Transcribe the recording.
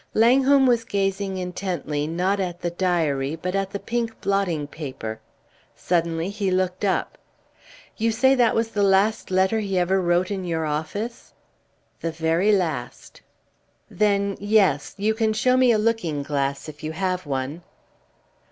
Langholm was gazing intently, not at the diary, but at the pink blotting paper. Suddenly he looked up. "You say that was the last letter he ever wrote in your office?" "The very last." "Then yes you can show me a looking glass if you have one!"